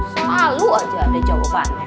selalu aja ada jawabannya